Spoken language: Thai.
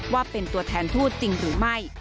ว่าเป็นตัวแทนทูตจริงหรือไม่